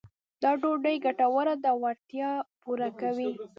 دا ډوډۍ ګټوره ده او اړتیا پوره کوي.